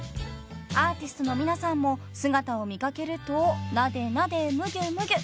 ［アーティストの皆さんも姿を見掛けるとなでなでむぎゅむぎゅ］